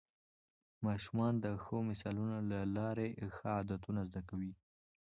ماشومان د ښو مثالونو له لارې ښه عادتونه زده کوي